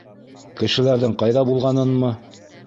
Кешеләрҙең ҡайҙа булғанынмы?